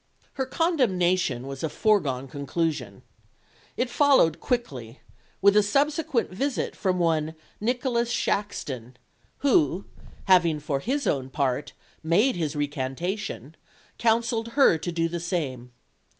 Her condemnation was a foregone conclusion. It followed quickly, with a subsequent visit from one Nicholas Shaxton, who, having, for his own part, made his recantation, counselled her to do the same.